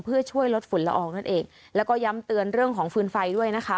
เพื่อช่วยลดฝุ่นละอองนั่นเองแล้วก็ย้ำเตือนเรื่องของฟืนไฟด้วยนะคะ